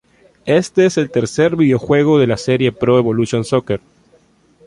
Este es el tercer videojuego de la serie Pro Evolution Soccer.